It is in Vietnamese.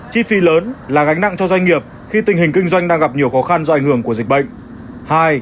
chi phí lớn là gánh nặng cho doanh nghiệp khi tình hình kinh doanh đang gặp nhiều khó khăn do ảnh hưởng của dịch bệnh